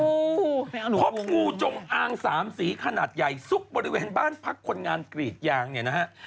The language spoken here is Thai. โอ้โหพบงูจงอางสามสีขนาดใหญ่ซุกบริเวณบ้านพักคนงานกรีดยางเนี่ยนะฮะ